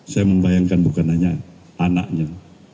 saya membayangkan bukan hanya anaknya